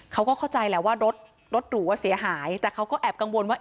เขาก็เข้าใจแหละว่ารถรถหรูอ่ะเสียหายแต่เขาก็แอบกังวลว่า